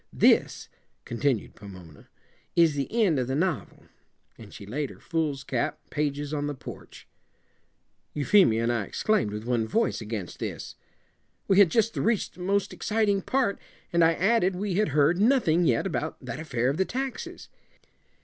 This," continued Pomona, "is the end of the novel," and she laid her foolscap pages on the porch. Euphemia and I exclaimed, with one voice, against this. We had just reached the most exciting part, and I added we had heard nothing yet about that affair of the taxes.